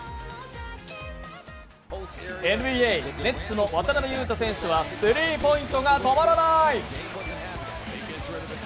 ＮＢＡ、ネッツの渡邊雄太選手はスリーポイントが止まらない。